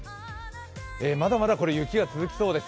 まだまだ雪が続きそうです。